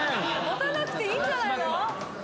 持たなくていいんじゃないの？